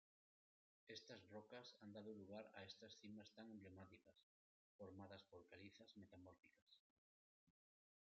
Estas rocas han dado lugar a estas cimas tan emblemáticas, formadas por calizas metamórficas.